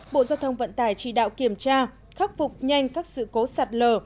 sáu bộ giao thông vận tải chỉ đạo kiểm tra khắc phục nhanh các sự cố sạt lờ